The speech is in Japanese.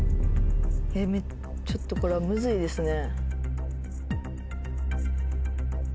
ちょっとこれはムズいですね。